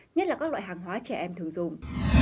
nhất là các loại hàng hóa trẻ em thường dùng